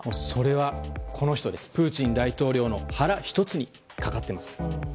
それは、この人プーチン大統領の腹一つにかかっています。